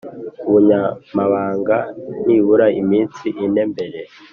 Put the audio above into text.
Ubunyamabanga nibura iminsi ine mbere